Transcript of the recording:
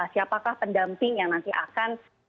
siapakah pendamping yang nanti akan